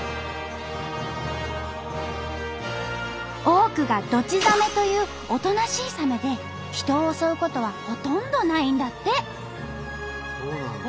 多くがドチザメというおとなしいサメで人を襲うことはほとんどないんだって。